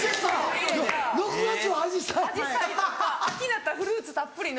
秋になったらフルーツたっぷりの。